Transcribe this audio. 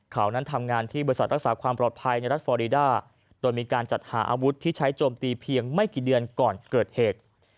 เขานั้นทำงานที่บริษัทรักษาความปลอดภัยในรัฐฟอรีด้าโดยมีการจัดหาอาวุธที่ใช้โจมตีเพียงไม่กี่เดือนก่อนเกิดเหตุ